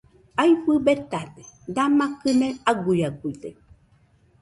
Aɨfɨ betade, dama kɨnaɨ aguiaguide.